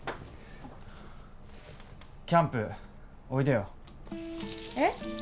キャンプおいでよえっ？